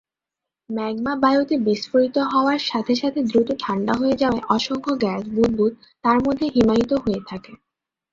Magma বায়ুতে বিস্ফোরিত হওয়ার সাথে সাথে দ্রুত ঠান্ডা হয়ে যাওয়ায় অসংখ্য গ্যাস বুদবুদ তার মধ্যে "হিমায়িত" হয়ে থাকে।